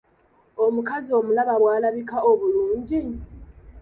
Omukazi omulaba bw'alabika obulungi?